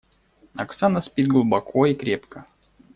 Оксана спит глубоко и крепко.